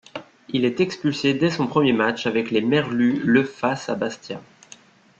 Il est expulsé dès son premier match avec les merlus le face à Bastia.